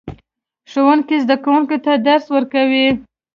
ښوونکی زده کوونکو ته درس ورکوي